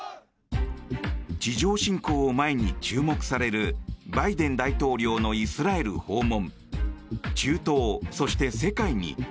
地上侵攻を前に注目されるバイデン大統領のイスラエル訪問。